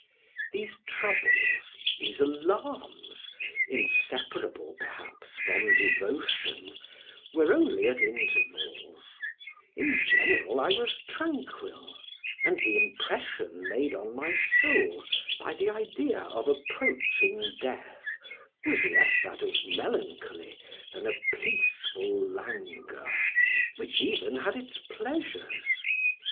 These troubles, these alarms, inseparable, perhaps, from devotion, were only at intervals; in general, I was tranquil, and the impression made on my soul by the idea of approaching death, was less that of melancholy than a peaceful languor, which even had its pleasures.